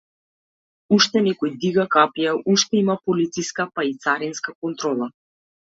Уште некој дига капија, уште има полициска, па и царинска контрола.